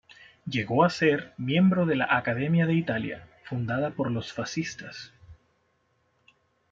Llegó a ser miembro de la Academia de Italia, fundada por los fascistas.